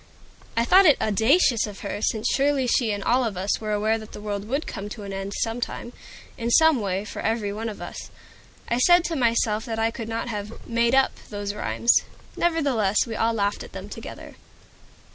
I thought it audacious in her, since surely she and all of us were aware that the world would come to an end some time, in some way, for every one of us. I said to myself that I could not have "made up" those rhymes. Nevertheless we all laughed at them together.